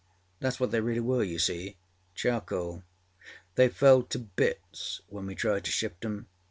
Thatâs what they really were, you seeâcharcoal. They fell to bits when we tried to shift âem.